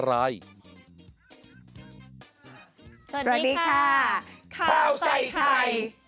ข้าวใส่ไข่